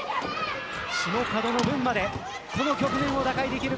シモカドの分までこの局面を打開できるか。